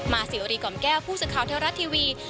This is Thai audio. สิวรีกล่อมแก้วผู้สื่อข่าวเทวรัฐทีวี